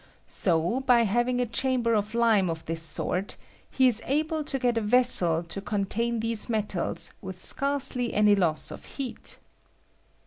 So, by having a chamber of Hme of this sort, he is able to get a vessel to contain these metals with scarcely any loss of heat.